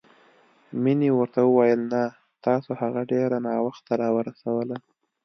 مينې ورته وويل نه، تاسو هغه ډېره ناوخته راورسوله.